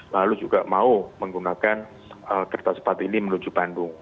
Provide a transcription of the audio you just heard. lalu juga mau menggunakan kereta cepat ini menuju bandung